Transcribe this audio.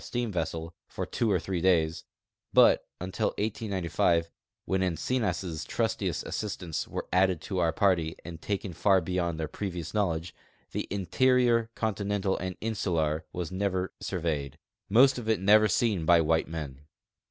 steam vessel, for two or three days; hut until 189o (when Encinas' trustiest assistants were added to our party and taken far beyond their })revious knowl edge) the interior, continental and insular, was never surveyed, most of it never seen by white men.